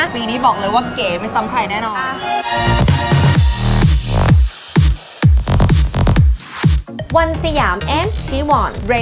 ปีนี้บอกเลยว่าเก๋ไม่ซ้ำใครแน่นอน